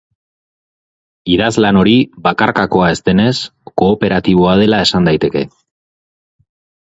Idazlan hori, bakarkakoa ez denez, kooperatiboa dela esan daiteke.